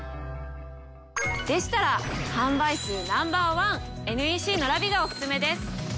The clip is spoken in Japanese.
でしたら販売数Ｎｏ．１ＮＥＣのＬＡＶＩＥがお薦めです！